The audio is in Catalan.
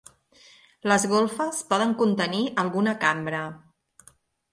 Les golfes poden contenir alguna cambra.